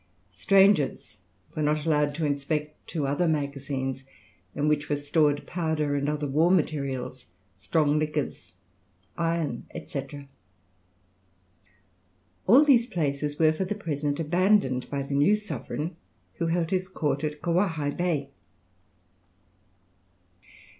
Strangers were not allowed to inspect two other magazines in which were stored powder and other war materials, strong liquors, iron, &c. All these places were for the present abandoned by the new sovereign, who held his court at Koaihai Bay.